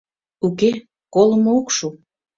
Уке, колымо ок шу...